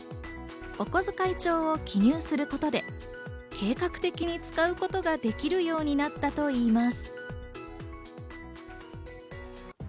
お小遣い帳を記入することで計画的に使うことができるようになったといいます。